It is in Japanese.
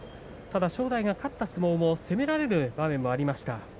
ただ正代が勝った相撲も攻められる場面がありました。